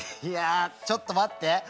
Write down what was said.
いやちょっと待って。